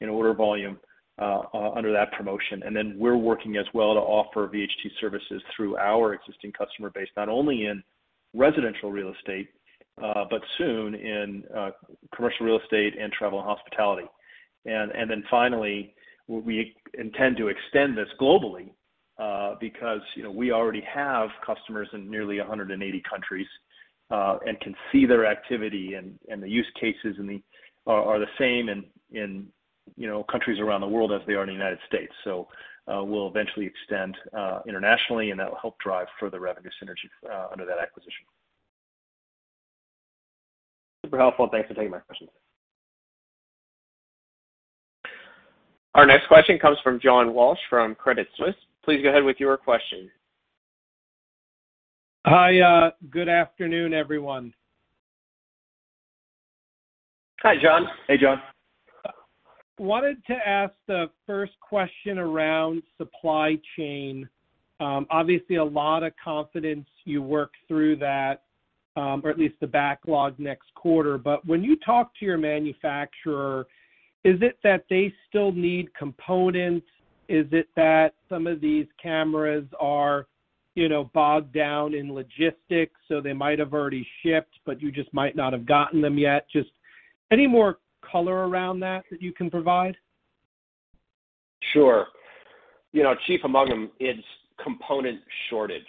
in order volume under that promotion. We're working as well to offer VHT services through our existing customer base, not only in residential real estate, but soon in commercial real estate and travel and hospitality. Finally, we intend to extend this globally, because you know we already have customers in nearly 180 countries and can see their activity and the use cases and they are the same in, you know, countries around the world as they are in the United States. We'll eventually extend internationally, and that will help drive further revenue synergy under that acquisition. Super helpful, and thanks for taking my question. Our next question comes from John Walsh from Credit Suisse. Please go ahead with your question. Hi, good afternoon, everyone. Hi, John. Hey, John. Wanted to ask the first question around supply chain. Obviously a lot of confidence you work through that, or at least the backlog next quarter. When you talk to your manufacturer, is it that they still need components? Is it that some of these cameras are, you know, bogged down in logistics, so they might have already shipped, but you just might not have gotten them yet? Just any more color around that that you can provide? Sure. You know, chief among them, it's component shortage.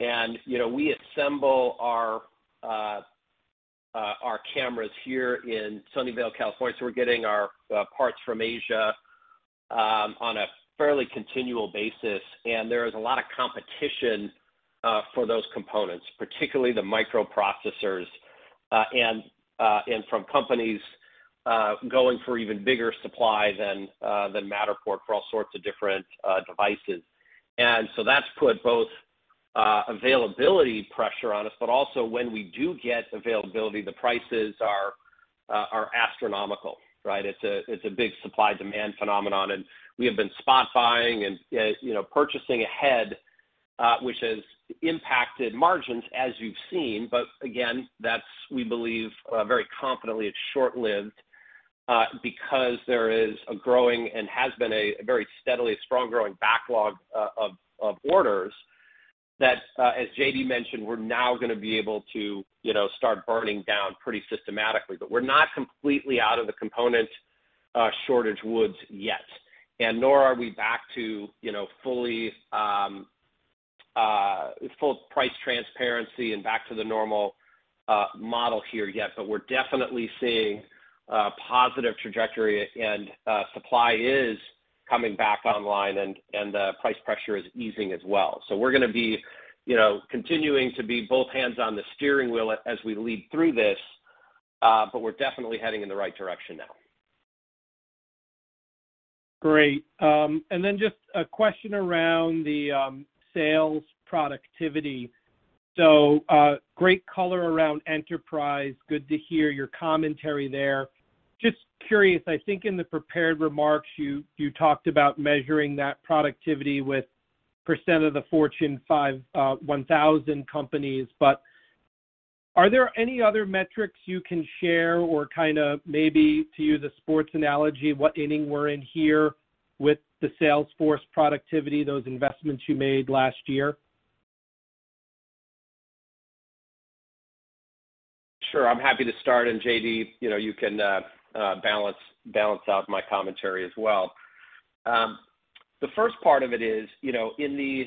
You know, we assemble our cameras here in Sunnyvale, California, so we're getting our parts from Asia on a fairly continual basis, and there is a lot of competition for those components, particularly the microprocessors, and from companies going for even bigger supply than Matterport for all sorts of different devices. That's put both availability pressure on us, but also when we do get availability, the prices are astronomical, right? It's a big supply-demand phenomenon, and we have been spot buying and, you know, purchasing ahead, which has impacted margins as you've seen. Again, that's we believe very confidently, it's short-lived, because there is a growing and has been a very steadily strong growing backlog of orders that, as JD mentioned, we're now gonna be able to, you know, start burning down pretty systematically. We're not completely out of the component shortage woods yet, and nor are we back to, you know, full price transparency and back to the normal model here yet. We're definitely seeing a positive trajectory and supply is coming back online and price pressure is easing as well. We're gonna be, you know, continuing to be both hands on the steering wheel as we lead through this, but we're definitely heading in the right direction now. Great. Just a question around the sales productivity. Great color around enterprise. Good to hear your commentary there. Just curious, I think in the prepared remarks, you talked about measuring that productivity with percent of the Fortune 1000 companies. Are there any other metrics you can share or kinda maybe, to use a sports analogy, what inning we're in here with the sales force productivity, those investments you made last year? Sure. I'm happy to start, and JD, you know, you can balance out my commentary as well. The first part of it is, you know, in the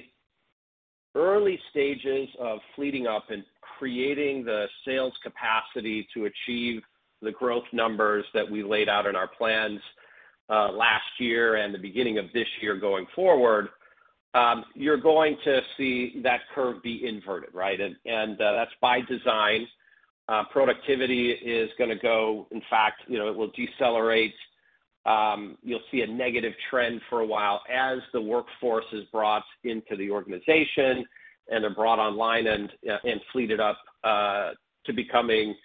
early stages of fleet up and creating the sales capacity to achieve the growth numbers that we laid out in our plans last year and the beginning of this year going forward, you're going to see that curve be inverted, right? That's by design. Productivity is gonna go, in fact, you know, it will decelerate. You'll see a negative trend for a while as the workforce is brought into the organization and are brought online and fleeted up to becoming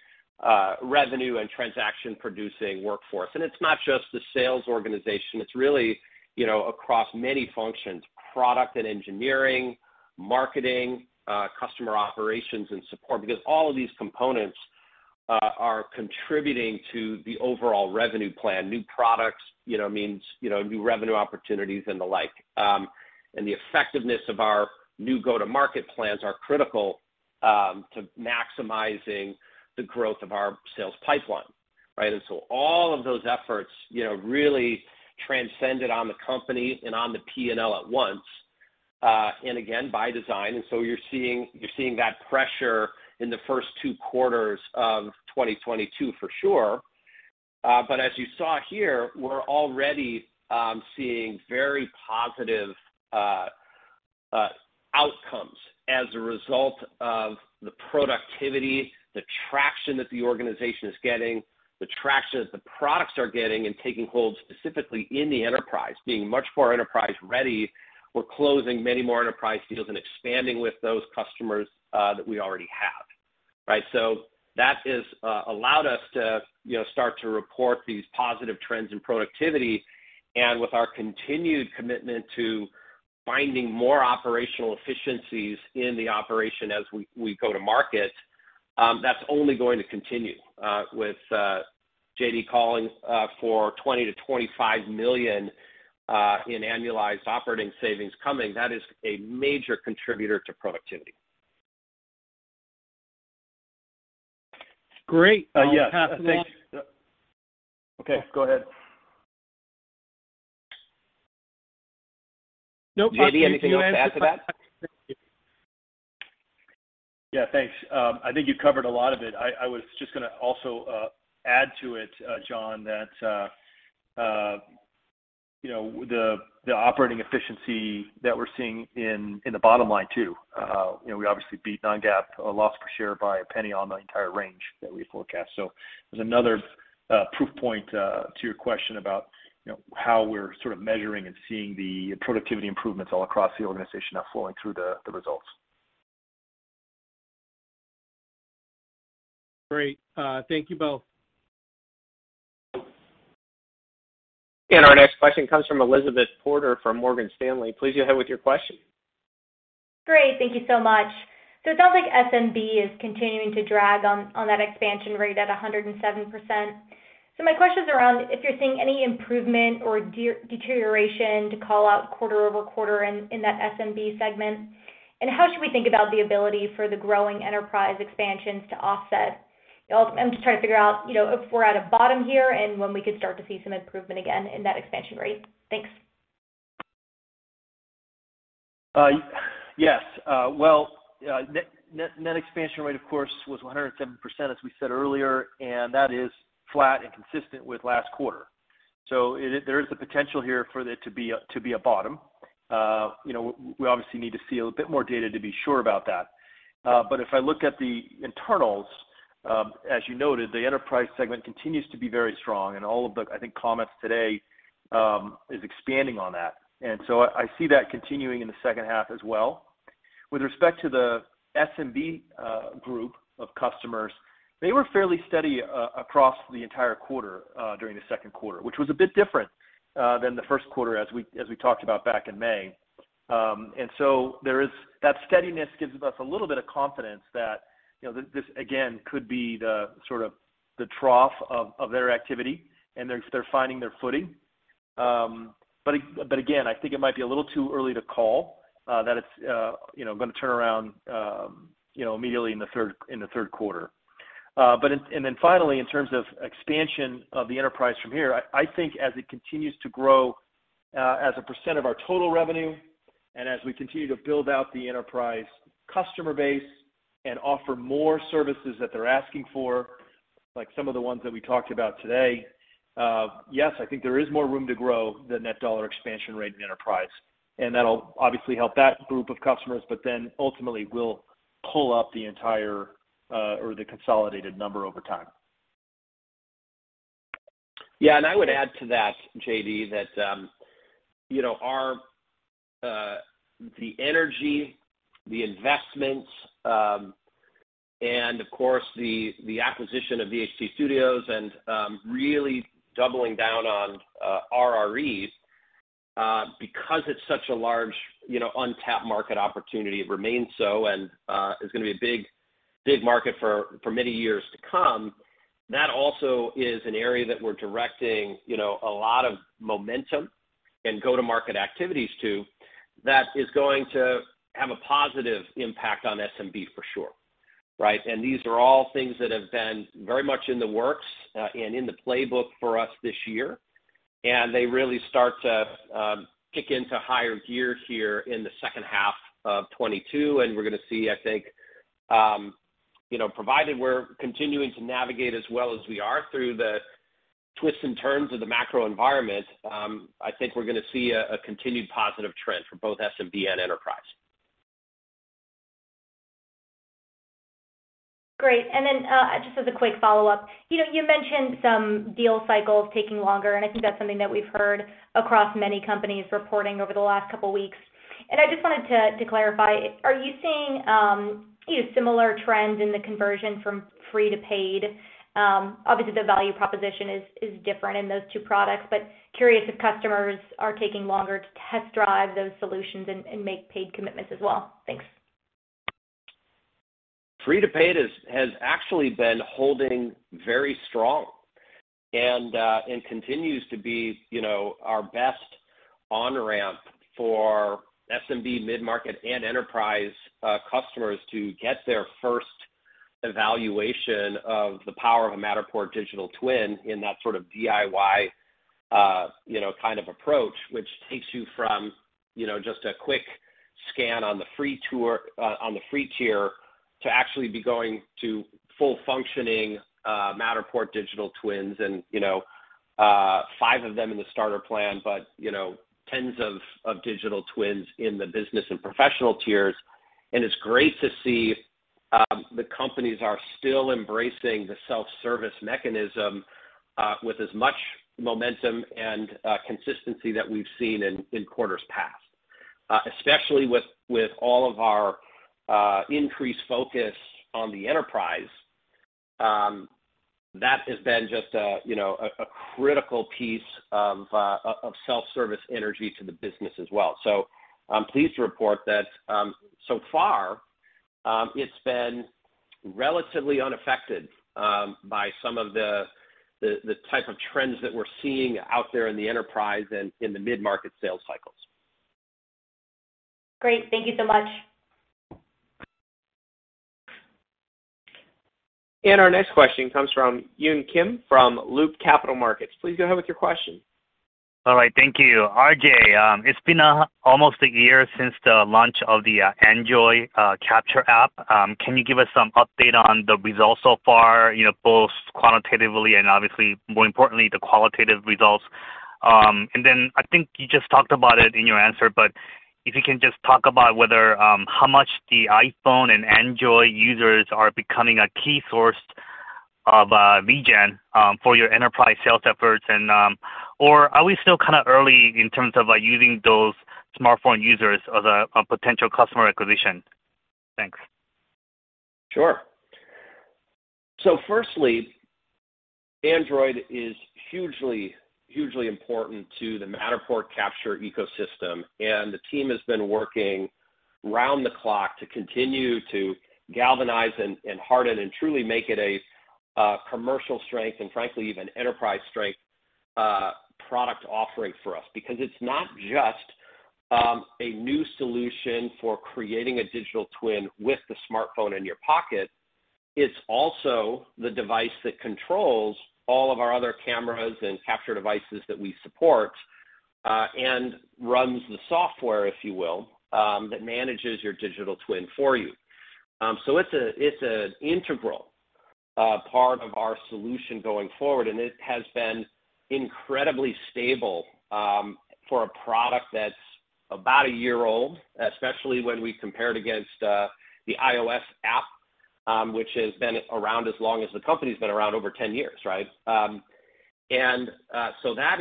revenue and transaction-producing workforce. It's not just the sales organization. It's really, you know, across many functions, product and engineering, marketing, customer operations and support. Because all of these components are contributing to the overall revenue plan. New products, you know, means, you know, new revenue opportunities and the like. The effectiveness of our new go-to-market plans are critical to maximizing the growth of our sales pipeline, right? All of those efforts, you know, really transcended on the company and on the P&L at once. Again, by design. You're seeing that pressure in the first two quarters of 2022 for sure. As you saw here, we're already seeing very positive outcomes as a result of the productivity, the traction that the organization is getting, the traction that the products are getting and taking hold specifically in the enterprise. Being much more enterprise ready, we're closing many more enterprise deals and expanding with those customers that we already have, right? That has allowed us to, you know, start to report these positive trends in productivity. With our continued commitment to finding more operational efficiencies in the operation as we go to market, that's only going to continue. With JD calling for $20-$25 million in annualized operating savings coming, that is a major contributor to productivity. Great. Yes. I'll pass it on. Okay, go ahead. No, Mark, you answer that. JD, anything else to add to that? Yeah, thanks. I think you've covered a lot of it. I was just gonna also add to it, John, that you know, the operating efficiency that we're seeing in the bottom line too, you know, we obviously beat non-GAAP loss per share by $0.01 on the entire range that we forecast. There's another proof point to your question about, you know, how we're sort of measuring and seeing the productivity improvements all across the organization now flowing through the results. Great. Thank you both. Our next question comes from Elizabeth Porter from Morgan Stanley. Please go ahead with your question. Great. Thank you so much. It sounds like SMB is continuing to drag on that expansion rate at 107%. My question is around if you're seeing any improvement or deterioration to call out quarter-over-quarter in that SMB segment. How should we think about the ability for the growing enterprise expansions to offset? Also, I'm just trying to figure out, you know, if we're at a bottom here and when we could start to see some improvement again in that expansion rate. Thanks. Yes. Well, net expansion rate, of course, was 107%, as we said earlier, and that is flat and consistent with last quarter. There is the potential here for it to be a bottom. You know, we obviously need to see a bit more data to be sure about that. If I look at the internals, as you noted, the enterprise segment continues to be very strong, and all of the, I think, comments today is expanding on that. I see that continuing in the second half as well. With respect to the SMB group of customers, they were fairly steady across the entire quarter during the second quarter, which was a bit different than the first quarter as we talked about back in May. That steadiness gives us a little bit of confidence that, you know, this again could be the sort of the trough of their activity, and they're finding their footing. Again, I think it might be a little too early to call that it's, you know, gonna turn around immediately in the third quarter. Finally, in terms of expansion of the enterprise from here, I think as it continues to grow as a percent of our total revenue and as we continue to build out the enterprise customer base and offer more services that they're asking for, like some of the ones that we talked about today, yes, I think there is more room to grow the Net Dollar Expansion Rate in enterprise. That'll obviously help that group of customers, but then ultimately will pull up the entire, or the consolidated number over time. Yeah. I would add to that, JD, that, you know, the energy, the investments, and of course the acquisition of VHT Studios and really doubling down on RREs because it's such a large, you know, untapped market opportunity, it remains so and is gonna be a big, big market for many years to come. That also is an area that we're directing, you know, a lot of momentum and go-to-market activities to, that is going to have a positive impact on SMB for sure, right? These are all things that have been very much in the works and in the playbook for us this year. They really start to kick into higher gear here in the second half of 2022. We're gonna see, I think, you know, provided we're continuing to navigate as well as we are through the twists and turns of the macro environment, I think we're gonna see a continued positive trend for both SMB and enterprise. Great. Just as a quick follow-up. You know, you mentioned some deal cycles taking longer, and I think that's something that we've heard across many companies reporting over the last couple weeks. I just wanted to clarify, are you seeing you know, similar trends in the conversion from free to paid? Obviously the value proposition is different in those two products, but curious if customers are taking longer to test drive those solutions and make paid commitments as well. Thanks. Free to paid has actually been holding very strong and continues to be, you know, our best on-ramp for SMB mid-market and enterprise customers to get their first evaluation of the power of a Matterport Digital Twin in that sort of DIY, you know, kind of approach, which takes you from, you know, just a quick scan on the free tour on the free tier, to actually be going to full functioning Matterport Digital Twins and, you know, five of them in the starter plan, but, you know, tens of digital twins in the business and professional tiers. It's great to see the companies are still embracing the self-service mechanism with as much momentum and consistency that we've seen in quarters past. Especially with all of our increased focus on the enterprise, that has been just a, you know, a critical piece of self-service energy to the business as well. I'm pleased to report that so far it's been relatively unaffected by some of the type of trends that we're seeing out there in the enterprise and in the mid-market sales cycles. Great. Thank you so much. Our next question comes from Yun Kim from Loop Capital Markets. Please go ahead with your question. All right. Thank you. RJ, it's been almost a year since the launch of the Android Capture App. Can you give us some update on the results so far, you know, both quantitatively and obviously more importantly, the qualitative results? I think you just talked about it in your answer, but if you can just talk about whether how much the iPhone and Android users are becoming a key source of lead gen for your enterprise sales efforts and or are we still kind of early in terms of using those smartphone users as a potential customer acquisition? Thanks. Sure. Firstly, Android is hugely important to the Matterport capture ecosystem, and the team has been working round the clock to continue to galvanize and harden and truly make it a commercial strength and frankly even enterprise strength product offering for us. Because it's not just a new solution for creating a digital twin with the smartphone in your pocket, it's also the device that controls all of our other cameras and capture devices that we support and runs the software, if you will, that manages your digital twin for you. It's an integral part of our solution going forward, and it has been incredibly stable for a product that's about a year old, especially when we compare it against the iOS app, which has been around as long as the company's been around, over 10 years, right? That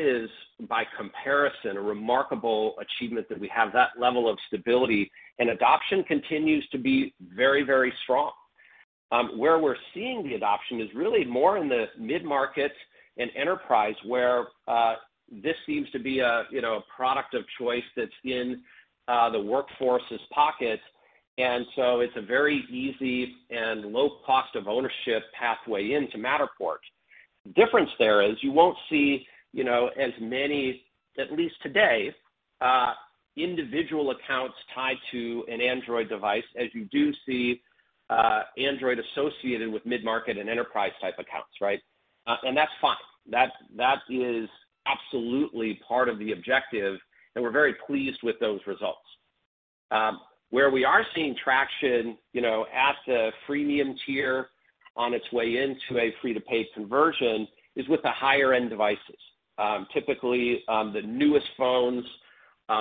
is, by comparison, a remarkable achievement that we have that level of stability, and adoption continues to be very, very strong. Where we're seeing the adoption is really more in the mid-market and enterprise, where this seems to be a you know, a product of choice that's in the workforce's pocket. It's a very easy and low cost of ownership pathway into Matterport. The difference there is you won't see, you know, as many, at least today, individual accounts tied to an Android device as you do see Android associated with mid-market and enterprise type accounts, right? That's fine. That is absolutely part of the objective, and we're very pleased with those results. Where we are seeing traction, you know, at the freemium tier on its way into a free-to-pay conversion, is with the higher-end devices. Typically, the newest phones,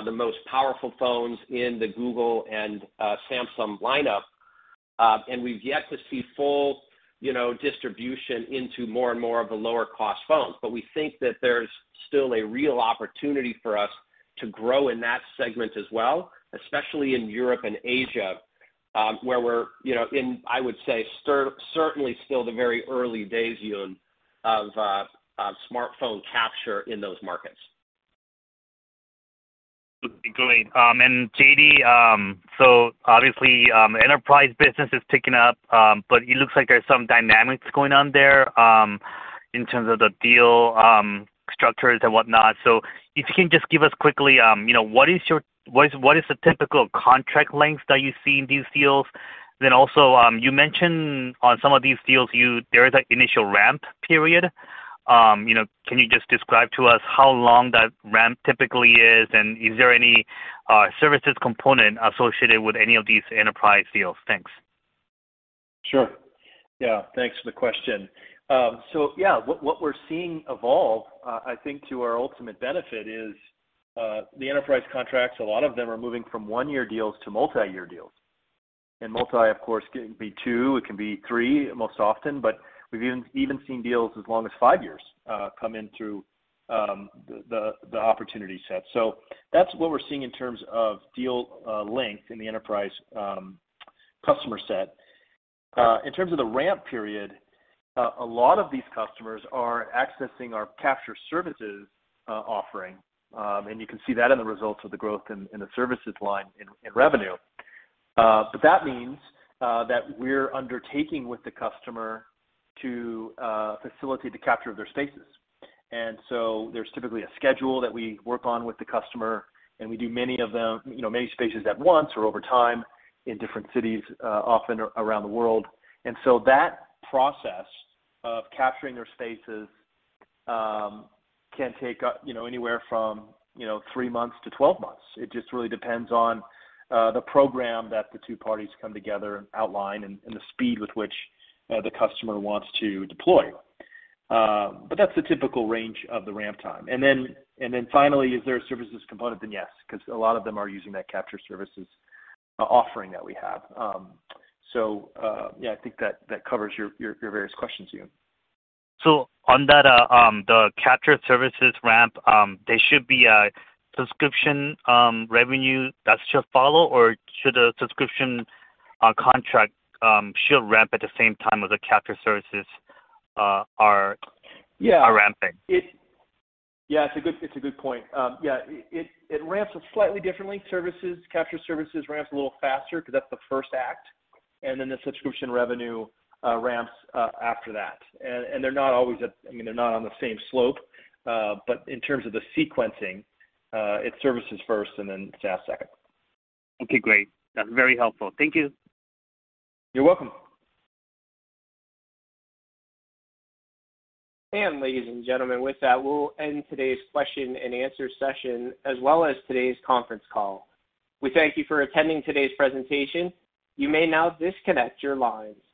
the most powerful phones in the Google and Samsung lineup, and we've yet to see full, you know, distribution into more and more of the lower cost phones. We think that there's still a real opportunity for us to grow in that segment as well, especially in Europe and Asia, where we're, you know, in, I would say, certainly still the very early days, Yun, of smartphone capture in those markets. Great. JD, obviously, enterprise business is picking up, but it looks like there's some dynamics going on there, in terms of the deal structures and whatnot. If you can just give us quickly, you know, what is the typical contract length that you see in these deals? Then also, you mentioned on some of these deals, there is an initial ramp period. You know, can you just describe to us how long that ramp typically is, and is there any services component associated with any of these enterprise deals? Thanks. Sure. Yeah, thanks for the question. What we're seeing evolve, I think to our ultimate benefit, is the enterprise contracts. A lot of them are moving from one-year deals to multi-year deals. Multi, of course, can be two, it can be three most often, but we've even seen deals as long as five years come in through the opportunity set. That's what we're seeing in terms of deal length in the enterprise customer set. In terms of the ramp period, a lot of these customers are accessing our capture services offering, and you can see that in the results of the growth in the services line in revenue. That means that we're undertaking with the customer to facilitate the capture of their spaces. There's typically a schedule that we work on with the customer, and we do many of them, you know, many spaces at once or over time in different cities, often around the world. That process of capturing their spaces can take up, you know, anywhere from three months to 12 months. It just really depends on the program that the two parties come together and outline and the speed with which the customer wants to deploy. That's the typical range of the ramp time. Finally, is there a services component, then yes, 'cause a lot of them are using that capture services offering that we have. Yeah, I think that covers your various questions, Yun. On that, the capture services ramp, there should be a subscription revenue that should follow or should a subscription contract should ramp at the same time as the capture services are. Yeah are ramping? Yeah, it's a good point. Yeah, it ramps slightly differently. Services, capture services ramps a little faster 'cause that's the first act, and then the subscription revenue ramps after that. I mean, they're not on the same slope. In terms of the sequencing, it's services first and then SaaS second. Okay, great. That's very helpful. Thank you. You're welcome. Ladies and gentlemen, with that, we'll end today's question and answer session, as well as today's conference call. We thank you for attending today's presentation. You may now disconnect your lines.